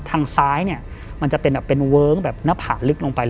ทางซ้ายเนี่ยมันจะเป็นแบบเป็นเวิ้งแบบหน้าผากลึกลงไป